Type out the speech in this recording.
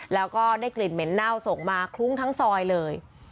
แล้วก็ได้กลิ่นเหม็นเน่าส่งมาคลุ้งทั้งซอยเลย